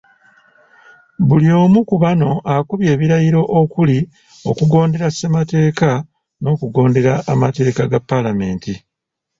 Buli omu ku bano akubye ebirayiro okuli okugondera Ssemateeka n’okugondera amateeka ga Paalamenti.